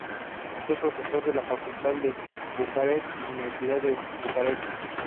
Fue profesor de la Facultad de Bucarest, Universidad de Bucarest